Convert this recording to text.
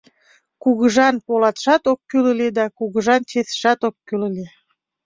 Кугыжан полатшат ок кӱл ыле да кугыжан чесшат ок кӱл ыле.